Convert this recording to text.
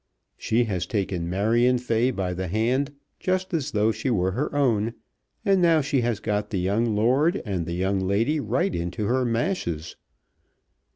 She has taken Marion Fay by the hand just as though she were her own, and now she has got the young lord and the young lady right into her mashes.